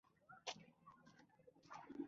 د تازه غوښې بوی د خرابې غوښې سره توپیر لري.